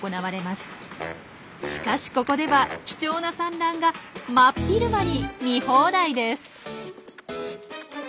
しかしここでは貴重な産卵が真っ昼間に見放題です。